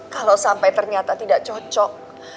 kalau sampai ternyata tidak cocok